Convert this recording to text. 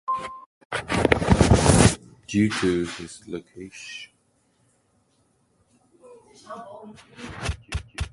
Due to its location, the crater has a distinctly oval shape because of foreshortening.